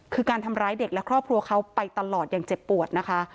คือการทำร้ายเด็กและครอบครัวเขาไปตลอดอย่างเจ็บปวดนะคะ